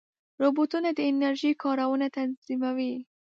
روبوټونه د انرژۍ کارونه تنظیموي.